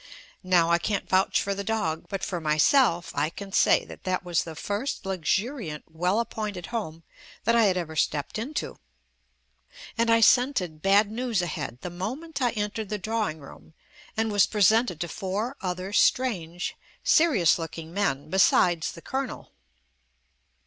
Now I can't vouch for the dog, but for myself I can say that that was the first luxuriant, weU ap pointed home that I had ever stepped into, and I scented bad news ahead the moment I en tered the drawing room and was presented to four other strange, serious looking men be sides the Colonel.